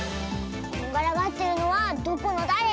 こんがらがってるのはどこのだれ？